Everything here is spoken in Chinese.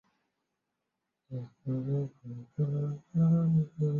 新闻图式是新闻话语分析中的一个范畴。